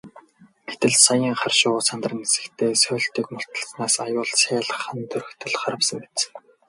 Гэтэл саяын хар шувуу сандран нисэхдээ сойлтыг мулталснаас аюулт сааль хана доргитол харвасан биз.